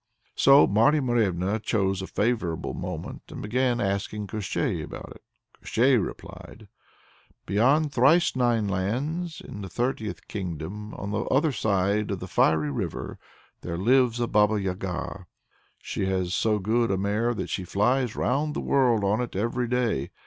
So Marya Morevna chose a favorable moment, and began asking Koshchei about it. Koshchei replied: "Beyond thrice nine lands, in the thirtieth kingdom, on the other side of the fiery river, there lives a Baba Yaga. She has so good a mare that she flies right round the world on it every day.